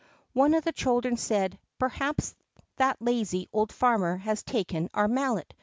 One of the children said, "Perhaps that lazy old farmer has taken our Mallet."